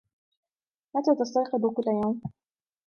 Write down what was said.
متى تستيقظ كل يوم ؟